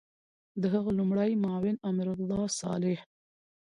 د هغه لومړی معاون امرالله صالح